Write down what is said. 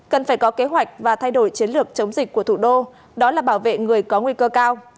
cần phải có kế hoạch và thay đổi chiến lược chống dịch của thủ đô đó là bảo vệ người có nguy cơ cao